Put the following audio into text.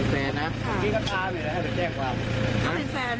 เป็นแฟนนะนี่ก็ตามอยู่แล้วเขาจะแจ้งความ